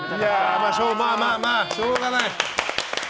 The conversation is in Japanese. まあまあまあ、しょうがない。